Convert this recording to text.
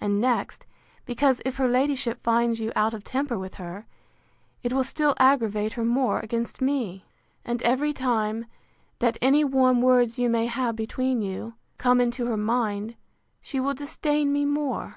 And next, because, if her ladyship finds you out of temper with her, it will still aggravate her more against me; and every time that any warm words you may have between you, come into her mind, she will disdain me more.